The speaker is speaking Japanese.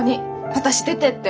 私出てって。